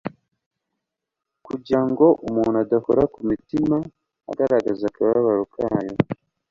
kugira ngo umuntu adakora ku mutima agaragaza akababaro kayo